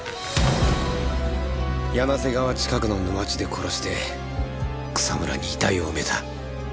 柳瀬川近くの沼地で殺して草むらに遺体を埋めた。